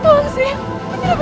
tuhan sih maafkan aku